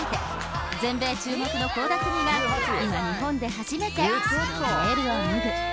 ［全米注目の倖田來未が今日本で初めてそのベールを脱ぐ］